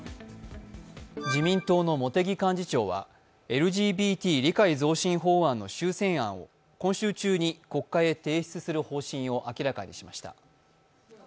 自民党の茂木幹事長はＬＧＢＴ理解増進法案の修正案を今週中に国会へ提出する方針を明らかにしました。